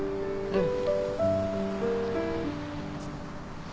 うん。